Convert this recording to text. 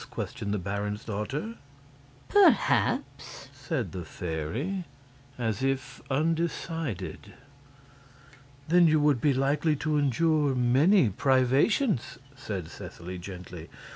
questioned the baron's daughter. "Perhaps," said the fairy, as if undecided. "Then you would be likely to endure many privations," said Seseley, gently.